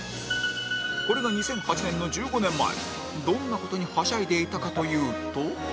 これが２００８年の１５年前どんな事にハシャいでいたかというと